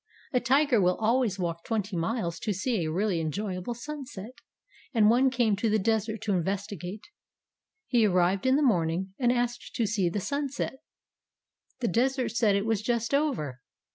A tiger will always walk twenty miles to see a really enjoyable sunset, and one came to the Desert to investigate. He arrived in the morning, and asked to see the Sunset. The Desert said it was just over.